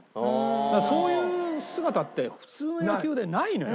そういう姿って普通の野球ではないのよ